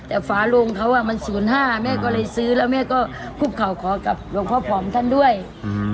แต่ฝาโลงเขาอ่ะมันศูนย์ห้าแม่ก็เลยซื้อแล้วแม่ก็คุกเข่าขอกับหลวงพ่อผอมท่านด้วยอืม